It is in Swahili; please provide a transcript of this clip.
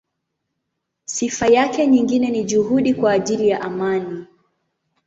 Sifa yake nyingine ni juhudi kwa ajili ya amani.